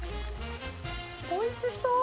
おいしそう！